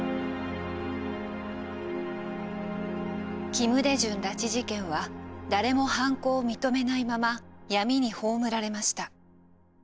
金大中拉致事件は誰も犯行を認めないまま闇に葬られました。